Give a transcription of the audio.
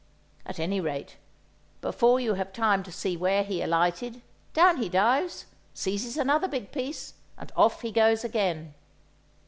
At any rate, before you have time to see where he alighted, down he dives, seizes another big piece, and off he goes again.